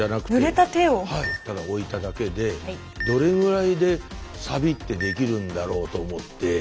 ただ置いただけでどれぐらいでサビってできるんだろうと思って。